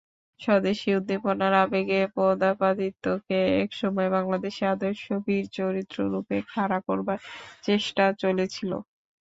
স্বদেশী উদ্দীপনার আবেগে প্রতাপাদিত্যকে একসময়ে বাংলাদেশের আদর্শ বীরচরিত্ররূপে খাড়া করবার চেষ্টা চলেছিল।